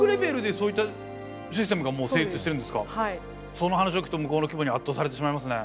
その話を聞くと向こうの規模に圧倒されてしまいますね。